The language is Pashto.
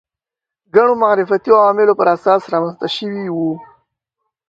ګڼو معرفتي عواملو پر اساس رامنځته شوي وو